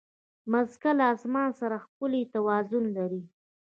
مځکه له اسمان سره ښکلی توازن لري.